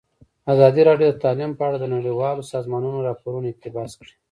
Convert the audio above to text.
ازادي راډیو د تعلیم په اړه د نړیوالو سازمانونو راپورونه اقتباس کړي.